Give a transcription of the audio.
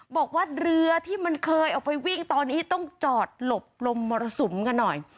บอกว่าเรือที่มันเคยออกไปวิ่งตอนนี้ต้องจอดหลบลมมรสุมกันหน่อย